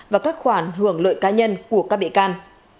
và các khoản hưởng lợi cá nhân của các bị can